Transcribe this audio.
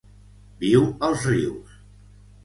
Viu als rius.